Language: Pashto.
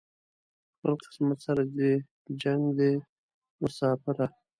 خپل قسمت سره دې جنګ دی مساپره